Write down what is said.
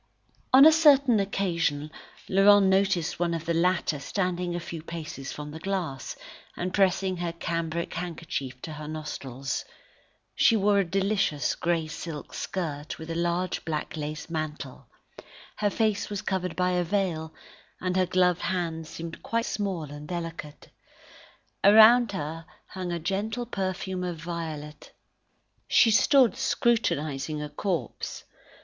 On a certain occasion Laurent noticed one of the latter standing at a few paces from the glass, and pressing her cambric handkerchief to her nostrils. She wore a delicious grey silk skirt with a large black lace mantle; her face was covered by a veil, and her gloved hands seemed quite small and delicate. Around her hung a gentle perfume of violet. She stood scrutinising a corpse.